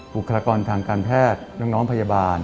บุคลากรทางการแพทย์น้องพยาบาล